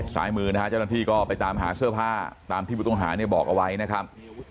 สายมือเจ้าหน้าที่ก็ไปตามหาเสื้อผ้าตามที่บุตุงหาบอกเอาไว้นะครับ